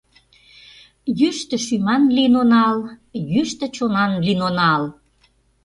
Йӱштӧ шӱман лийын онал, Йӱштӧ чонан лийын онал.